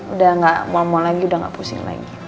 udah gak mau mal lagi udah gak pusing lagi